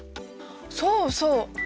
そうそう！